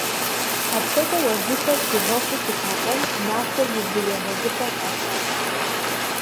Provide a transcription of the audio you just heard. Апхуэдэу, а выхэр щигъэхъуу щыта къуэм «Нахъуэ и вы егъэзыпӏэ» фӏащащ.